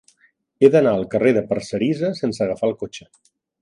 He d'anar al carrer de Parcerisa sense agafar el cotxe.